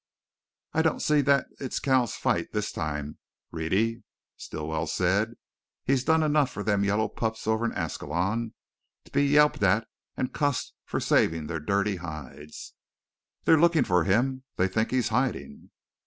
"I don't see that it's Cal's fight this time, Rhetty," Stilwell said. "He's done enough for them yellow pups over in Ascalon, to be yelped at and cussed for savin' their dirty hides." "They're looking for him, they think he's hiding!"